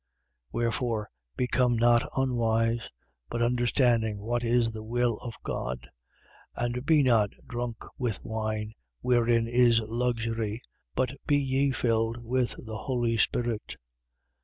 5:17. Wherefore, become not unwise: but understanding what is the will of God. 5:18. And be not drunk with wine, wherein is luxury: but be ye filled with the Holy Spirit, 5:19.